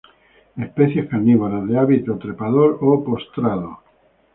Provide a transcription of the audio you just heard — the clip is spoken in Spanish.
Especies carnívoras, de hábito trepador o postrado.